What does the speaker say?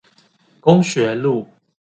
公學路